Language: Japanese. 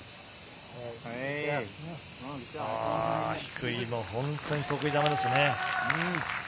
低いの本当に得意球ですね。